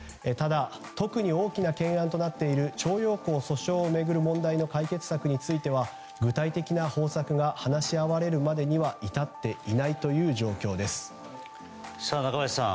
特に大きな懸案となっている徴用工訴訟を巡る問題の解決策については具体的な方策は話し合われるまでには中林さん